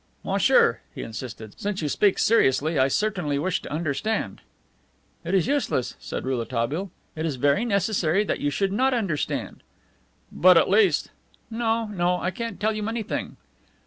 "Monsieur," he insisted, "since you speak seriously, I certainly wish to understand " "It is useless," said Rouletabille. "It is very necessary that you should not understand." "But at least..." "No, no, I can't tell you anything."